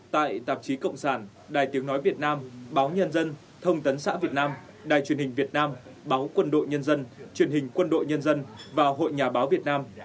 tại tạp chí cộng sản đài tiếng nói việt nam báo nhân dân thông tấn xã việt nam đài truyền hình việt nam báo quân đội nhân dân truyền hình quân đội nhân dân và hội nhà báo việt nam